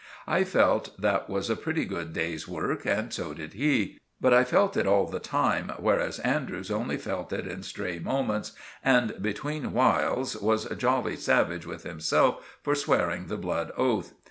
I felt that was a pretty good day's work, and so did he; but I felt it all the time, whereas Andrews only felt it in stray moments and, between whiles, was jolly savage with himself for swearing the blood oath.